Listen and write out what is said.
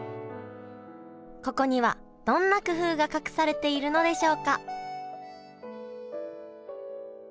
ここにはどんな工夫が隠されているのでしょうか？